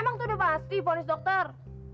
emang tuh udah pasti ponis dokter